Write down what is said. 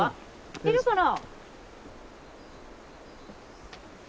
いるかな？